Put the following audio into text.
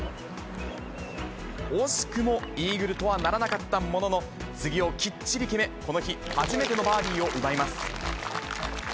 惜しくもイーグルとはならなかったものの、次をきっちり決め、この日、初めてのバーディーを奪います。